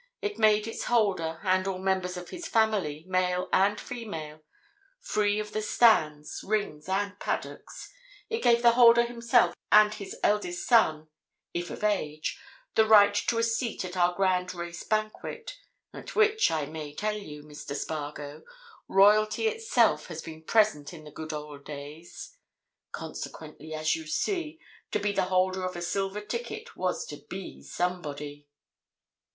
It made its holder, and all members of his family, male and female, free of the stands, rings, and paddocks. It gave the holder himself and his eldest son, if of age, the right to a seat at our grand race banquet—at which, I may tell you, Mr. Spargo, Royalty itself has been present in the good old days. Consequently, as you see, to be the holder of a silver ticket was to be somebody."